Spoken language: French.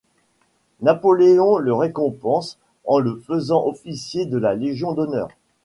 Napoléon le récompense en le faisant officier de la Légion d'honneur.